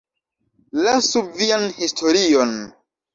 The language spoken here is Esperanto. Lasu vian historion!